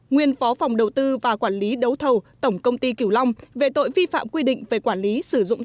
nguyên phó phòng đầu tư và quản lý đấu thầu tổng công ty kiểu long về tội vi phạm quy định về quản lý sử dụng